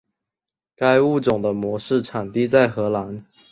该物种的模式产地在荷兰。